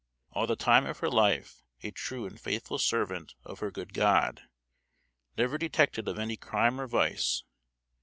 All the time of her lyfe a true and faythful servant of her good God, never detected of any cryme or vice.